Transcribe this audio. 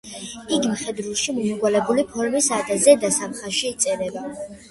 იგი მხედრულში მომრგვალებული ფორმისაა და ზედა სამ ხაზში იწერება.